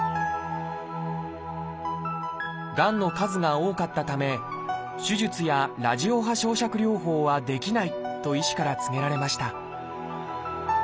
がんの数が多かったため手術やラジオ波焼灼療法はできないと医師から告げられました